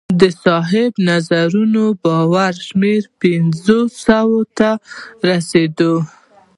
د صاحب نظرانو باور شمېر پنځو سوو ته رسېده